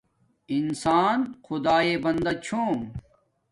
انسان خدایے بندا چھوم